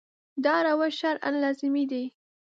دا روش شرعاً لازمي دی.